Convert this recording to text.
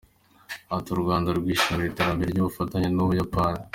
Ati “U Rwanda rwishimira iterambere ry’ubufatanye n’u Buyapani.